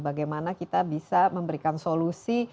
bagaimana kita bisa memberikan solusi